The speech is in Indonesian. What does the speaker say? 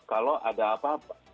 kalau ada apa apa